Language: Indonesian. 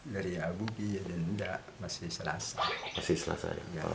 dari aboge masih selasa